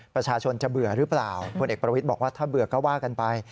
ประชาชนจะเบื่อหรือเปล่าพลเอกประวิทย์บอกว่าถ้าเบื่อก็ว่ากันไป